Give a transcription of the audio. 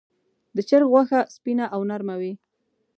د چرګ غوښه سپینه او نرمه وي.